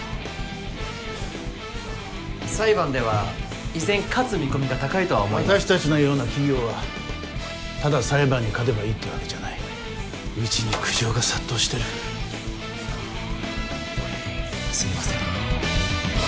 裁判では依然勝つ見込みが高いとは思いますが私達のような企業はただ裁判に勝てばいいっていうわけじゃないうちに苦情が殺到してるすみません